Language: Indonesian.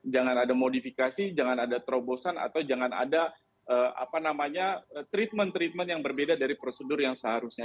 jangan ada modifikasi jangan ada terobosan atau jangan ada treatment treatment yang berbeda dari prosedur yang seharusnya